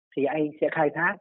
thì anh sẽ khai thác